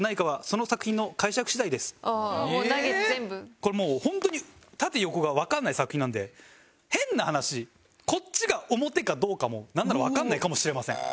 これもう本当に縦横がわからない作品なんで変な話こっちが表かどうかもなんならわからないかもしれません。